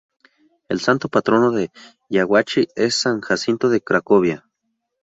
El santo patrono de Yaguachi es san Jacinto de Cracovia.